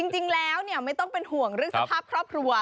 จริงแล้วไม่ต้องเป็นห่วงเรื่องสภาพครอบครัว